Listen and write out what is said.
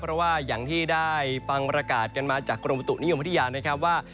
เพราะว่าอย่างที่ได้ฟังประกาศกันมาจากกรมประตุนิยมพัทยานะครับว่า